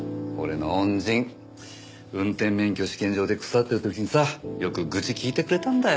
運転免許試験場で腐ってる時にさよく愚痴聞いてくれたんだよ。